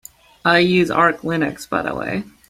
I use Arch Linux by the way.